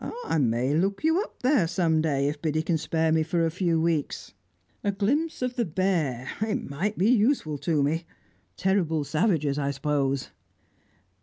"I may look you up there some day, if Biddy can spare me for a few weeks. A glimpse of the bear it might be useful to me. Terrible savages I suppose?"